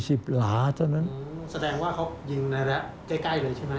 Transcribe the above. แสดงว่าเขายิงในระใกล้เลยใช่ไหม